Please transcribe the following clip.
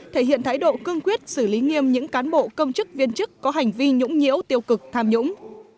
thể hiện thái độ cương quyết xử lý nghiêm những cán bộ công chức viên chức có hành vi nhũng nhiễu tiêu cực tham nhũng